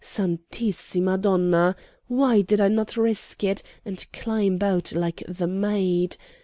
Santissima Donna! why did I not risk it, and climb out like the maid?